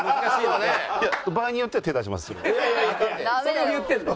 それを言ってんのよ。